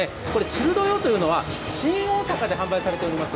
チルド用というのは新大阪で販売されております